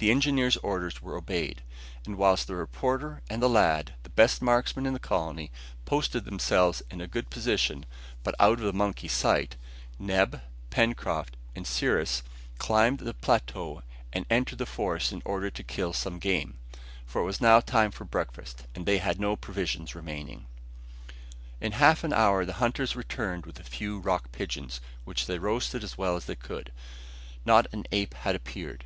The engineer's orders were obeyed, and whilst the reporter and the lad, the best marksmen in the colony, posted themselves in a good position, but out of the monkeys' sight, Neb, Pencroft, and Cyrus climbed the plateau and entered the forest in order to kill some game, for it was now time for breakfast and they had no provisions remaining. In half an hour the hunters returned with a few rock pigeons, which they roasted as well as they could. Not an ape had appeared.